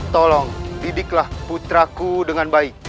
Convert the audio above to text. tolong didiklah putraku dengan baik